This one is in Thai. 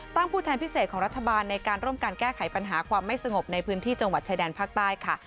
ผู้แทนพิเศษของรัฐบาลในการร่วมการแก้ไขปัญหาความไม่สงบในพื้นที่จังหวัดชายแดนภาคใต้ค่ะ